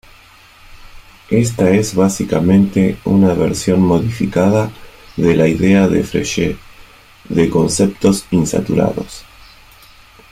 Esta es básicamente una versión modificada de la idea de Frege de "conceptos insaturados".